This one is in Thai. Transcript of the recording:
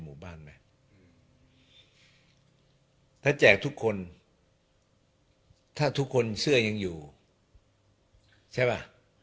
ไหมถ้าแจกทุกคนถ้าทุกคนเสื้อยังอยู่ใช่ป่ะ